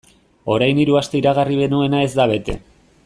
Orain hiru aste iragarri genuena ez da bete.